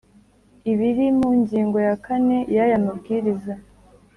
ibiri mu ngingo ya kane y aya mabwiriza